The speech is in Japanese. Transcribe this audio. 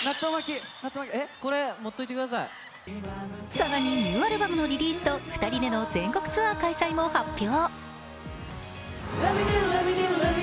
更にニューアルバムのリリースと２人での全国ツアー開催も発表。